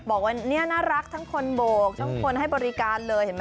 บอกว่านี่น่ารักทั้งคนโบกทั้งคนให้บริการเลยเห็นไหม